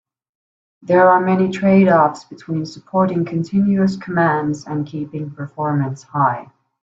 There are many trade-offs between supporting continuous commands and keeping performance high.